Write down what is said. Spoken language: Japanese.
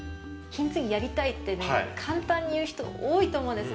金継ぎ、やりたいって簡単に言う人多いと思うんです。